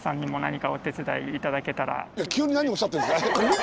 ぜひ急に何をおっしゃってるんですか？